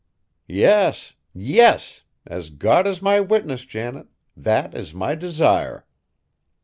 "Yes, yes! As God is my witness, Janet, that is my desire."